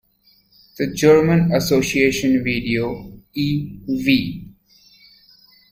The German Association Video e.V.